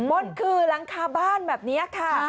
นี่คือหลังคาบ้านแบบนี้ค่ะ